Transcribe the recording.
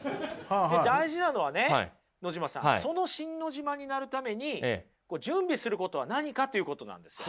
大事なのはね野島さんそのシン・ノジマになるために準備することは何かということなんですよ。